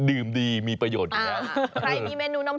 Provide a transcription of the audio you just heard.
อร่อยดีมีประโยชน์